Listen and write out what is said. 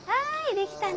できたね！